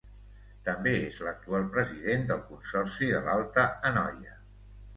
També és l'actual president del Consorci de l'Alta Anoia.